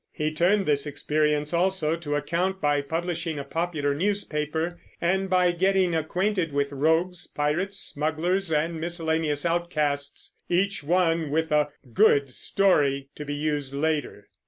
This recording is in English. He turned this experience also to account by publishing a popular newspaper, and by getting acquainted with rogues, pirates, smugglers, and miscellaneous outcasts, each one with a "good story" to be used later.